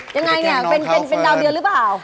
ยังไงเนี่ยเป็นดาวเดียวหรือเปล่า